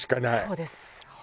そうです。